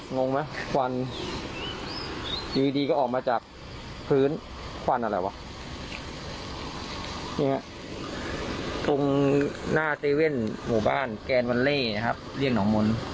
งงไหมควันอยู่ดีก็ออกมาจากพื้นควันอะไรวะนี่ฮะตรงหน้าเว่นหมู่บ้านแกนวันเล่นะครับเรียกหนองมนต์